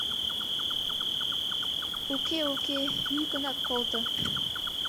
— Уке, уке, йӱынак колто!